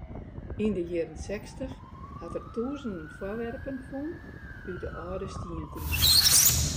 Yn de jierren sechstich hat er tûzenen foarwerpen fûn út de âlde stientiid.